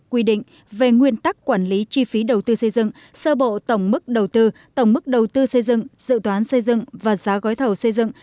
quy định về nguyên tắc quản lý chi phí đầu tư xây dựng sơ bộ tổng mức đầu tư tổng mức đầu tư xây dựng dự toán xây dựng và giá gói thầu xây dựng